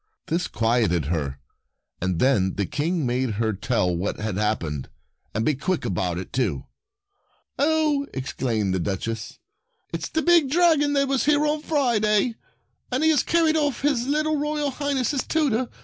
This quieted her, and then the King made her tell what had hap pened, and be quick about it, too. " Oh," exclaimed the Duch Severity and the Dragons 61 ess, "it's the big dragon that was here on Friday, and he has carried off his little Royal Highness's tutor!